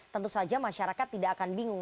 tentu saja masyarakat tidak akan bingung